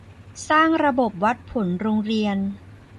สร้างระบบวัดผลโรงเรียน